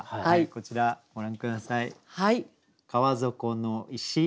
こちらご覧下さい。